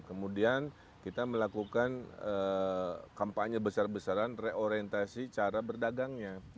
kemudian kita melakukan kampanye besar besaran reorientasi cara berdagangnya